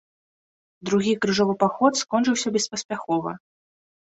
Другі крыжовы паход скончыўся беспаспяхова.